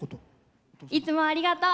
いつもありがとう。